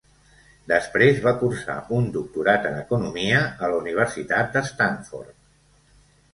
Després va cursar un doctorat en Economia a la Universitat d'Stanford.